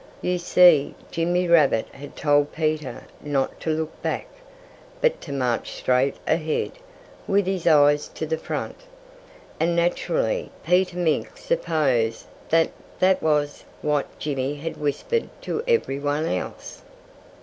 You see, Jimmy Rabbit had told Peter not to look back, but to march straight ahead, with his eyes to the front. And naturally, Peter Mink supposed that that was what Jimmy had whispered to everyone else.